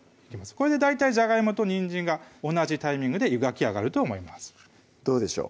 これで大体じゃがいもとにんじんが同じタイミングで湯がき上がると思いますどうでしょう？